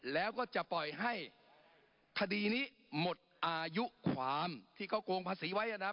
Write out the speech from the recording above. แล้วก็จะปล่อยให้คดีนี้หมดอายุความที่เขาโกงภาษีไว้นะครับ